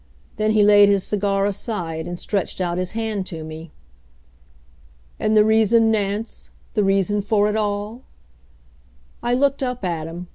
Then he laid his cigar aside and stretched out his hand to me. "And the reason, Nance the reason for it all?" I looked up at him.